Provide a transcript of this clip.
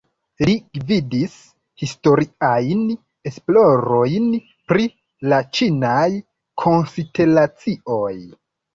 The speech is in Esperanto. Li gvidis historiajn esplorojn pri la ĉinaj konstelacioj.